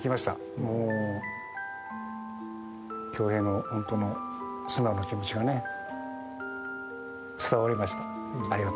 もう恭兵の本当の素直な気持ちがね、伝わりました。